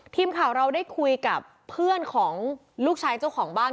ทีมข่าวเราได้คุยกับเพื่อนของลูกชายเจ้าของบ้าน